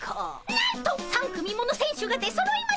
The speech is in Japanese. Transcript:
なんと３組もの選手が出そろいました！